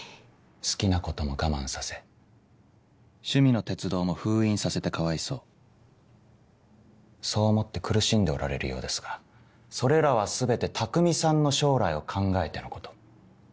好きなことも我慢させ趣味の鉄道も封印させてかわいそうそう思って苦しんでおられるようですがそれらは全て匠さんの将来を考えてのこと。